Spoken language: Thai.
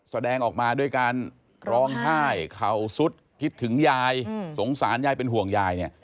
แสดงออกมาด้วยการร้องไห้เข่าสุดคิดถึงยายสงสารยายเป็นห่วงยายเนี่ย